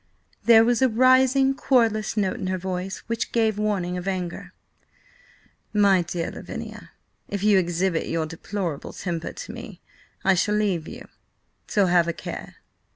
There was a rising, querulous note in her voice which gave warning of anger. "My dear Lavinia, if you exhibit your deplorable temper to me, I shall leave you, so have a care.